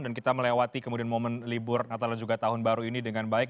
dan kita melewati kemudian momen libur natal dan juga tahun baru ini dengan baik